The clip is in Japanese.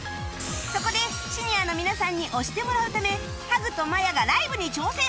そこでシニアの皆さんに推してもらうためハグとまやがライブに挑戦！